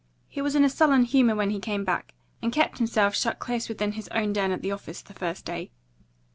He was in a sullen humour when he came back, and kept himself shut close within his own den at the office the first day.